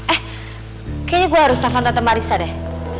eh kayaknya gue harus telfon tante marissa deh